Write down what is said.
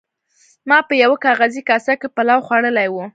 ما په یوه کاغذي کاسه کې پلاو خوړلی و.